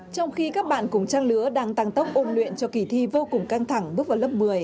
trong khi các bạn cùng trang lứa đang tăng tốc ôn luyện cho kỳ thi vô cùng căng thẳng bước vào lớp một mươi